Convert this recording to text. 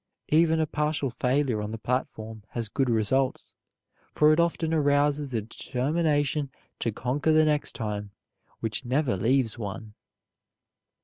Even a partial failure on the platform has good results, for it often arouses a determination to conquer the next time, which never leaves one.